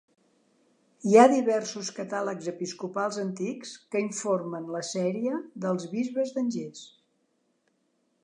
Hi ha diversos catàlegs episcopals antics que informen la sèrie dels bisbes d'Angers.